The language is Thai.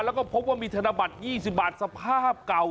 แล้วก็พบว่ามีธนบัตร๒๐บาทสภาพเก่า